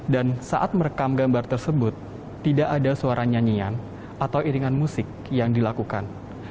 dan saat merekam gambar tersebut tidak ada suara nyanyian atau iringan musik yang dilakukan